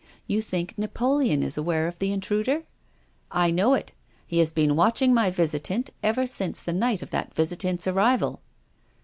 You think Napoleon is aware of the intruder?" " I know it. He has been watching my visi tant ever since the night of that visitant's arrival."